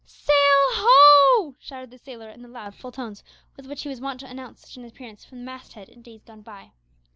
"Sail ho!" shouted the sailor in the loud, full tones with which he was wont to announce such an appearance from the mast head in days gone by.